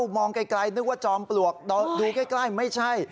มองไกลนึกว่าจอมปลวกดูใกล้ไม่ใช่